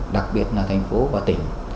đặc biệt là thành phố và tỉnh